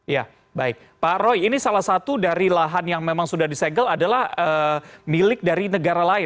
ya baik pak roy ini salah satu dari lahan yang memang sudah disegel adalah milik dari negara lain